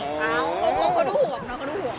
เขาดูห่วงหนองก็ดูห่วง